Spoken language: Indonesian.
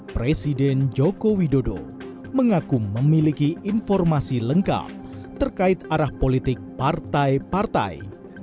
presiden joko widodo mengaku memiliki informasi lengkap terkait arah politik partai partai